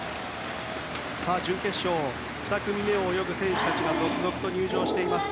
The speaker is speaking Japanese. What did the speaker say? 準決勝２組目を泳ぐ選手たちが続々と入場しています。